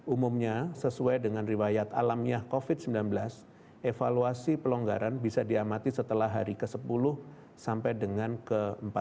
umumnya sesuai dengan riwayat alamiah covid sembilan belas evaluasi pelonggaran bisa diamati setelah hari ke sepuluh sampai dengan ke empat belas